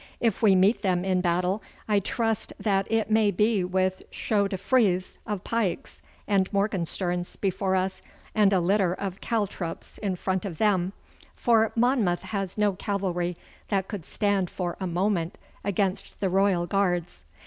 If we meet them in battle I trust that it may be with chevaux de frise of pikes and morgenstierns before us, and a litter of caltrops in front of them, for Monmouth has no cavalry that could stand for a moment against the Royal Guards.